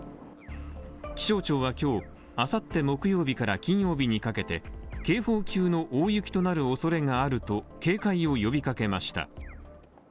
気象庁は今日、あさって木曜日から金曜日にかけて、警報級の大雪となるおそれがあると警戒を呼びかけました。